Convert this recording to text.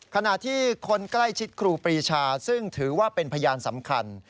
ขณะที่คนใกล้ชิดครูปรีชาซึ่งถือว่าเป็นพยานสำคัญ